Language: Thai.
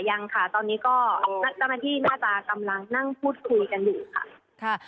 ยังค่ะตอนนี้ก็เจ้าหน้าที่น่าจะกำลังนั่งพูดคุยกันอยู่ค่ะ